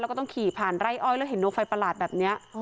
แล้วก็ต้องขี่ผ่านไร่อ้อยแล้วเห็นดวงไฟประหลาดแบบนี้